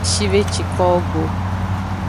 Shve ci kowo go.